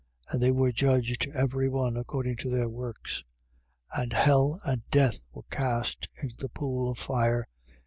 And they were judged, every one according to their works. 20:14. And hell and death were cast into the pool of fire.